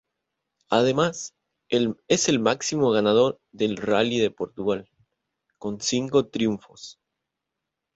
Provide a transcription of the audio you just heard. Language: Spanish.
Además, es el máximo ganador del Rally de Portugal, con cinco triunfos.